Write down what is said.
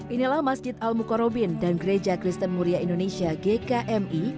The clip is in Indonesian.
inilah masjid al mukarobin dan gereja kristen muria indonesia gkmi